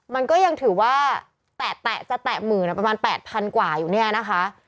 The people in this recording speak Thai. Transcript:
มันก็ยังถือว่าแตะจะแตะหมื่นประมาณ๘๐๐๐กว่าอยู่เนี่ยนะคะ